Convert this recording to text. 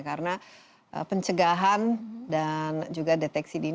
karena pencegahan dan juga deteksi jantung